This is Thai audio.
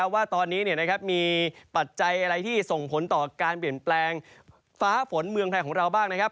ว่าตอนนี้มีปัจจัยอะไรที่ส่งผลต่อการเปลี่ยนแปลงฟ้าฝนเมืองไทยของเราบ้างนะครับ